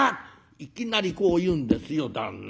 いきなりこう言うんですよ旦那。